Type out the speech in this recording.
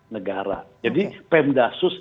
negara jadi pemdasus